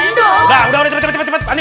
udah udah cepet cepet